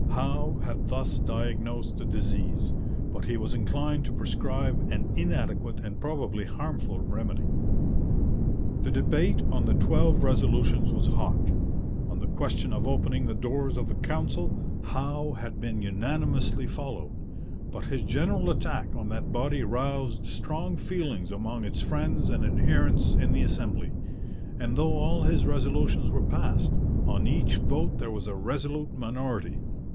Howe had thus diagnosed the disease, but he was inclined to prescribe an inadequate and probably harmful remedy. The debate on the twelve resolutions was hot. On the question of opening the doors of the Council, Howe had been unanimously followed, but his general attack on that body roused strong feelings among its friends and adherents in the Assembly, and though all his resolutions were passed, on each vote there was a resolute minority.